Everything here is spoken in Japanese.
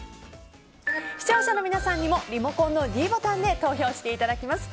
視聴者の皆さんにもリモコンのｄボタンで投票していただきます。